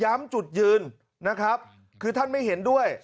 จุดยืนนะครับคือท่านไม่เห็นด้วย